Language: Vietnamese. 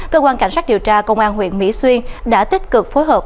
cơ quan cảnh sát điều tra công an huyện mỹ xuyên đã tích cực phối hợp